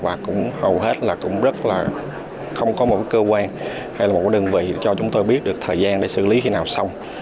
và hầu hết cũng không có một cơ quan hay một đơn vị cho chúng tôi biết được thời gian để xử lý khi nào xong